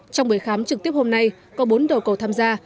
trong buổi khám trực tiếp hôm nay có bốn đầu cầu tham gia